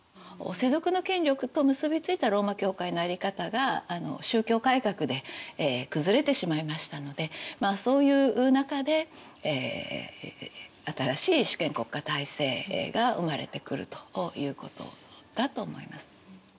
世俗の権力と結びついたローマ教会のあり方が宗教改革で崩れてしまいましたのでそういう中で新しい主権国家体制が生まれてくるということだと思います。